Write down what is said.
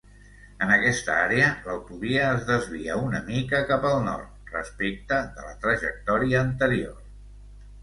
En aquesta àrea, l'autovia es desvia un mica cap al nord respecte de la trajectòria anterior.